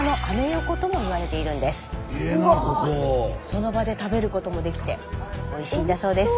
その場で食べることもできておいしいんだそうです。